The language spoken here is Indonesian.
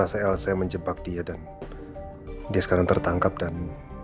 iya aduh mungkin dia menyesuaikan